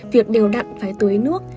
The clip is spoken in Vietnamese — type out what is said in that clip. việc đều đặn phải tưới nước